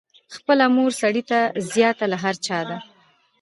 خپله مور سړي ته زیاته له هر چا ده.